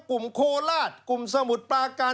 กลุ่มโคลาสกลุ่มสมุทรปาการ